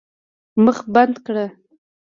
مخ بنده کړه.